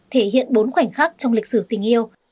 thể hiện bốn khoảnh khắc trong lịch sử tình yêu